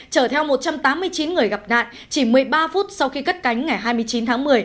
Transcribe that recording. chở theo một trăm tám mươi chín người gặp nạn chỉ một mươi ba phút sau khi cất cánh ngày hai mươi chín tháng một mươi